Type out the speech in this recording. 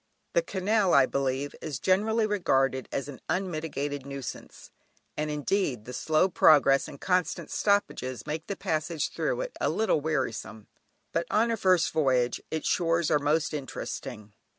The Canal, I believe, is generally regarded as an unmitigated nuisance, and indeed, the slow progress and constant stoppages make the passage through it a little wearisome, but on a first voyage its shores are most interesting.